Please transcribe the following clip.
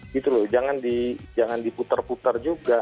gitu loh jangan diputar putar juga